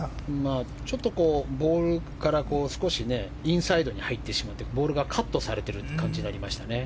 ちょっとボールから少しインサイドに入るボールがカットされている感じになりましたね。